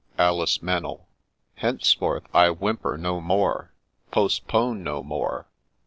— Alicb Mbynxll. '* Henceforth I whimper no more, postpone no more.'